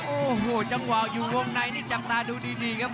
โอ้โหจังหวะอยู่วงในนี่จับตาดูดีครับ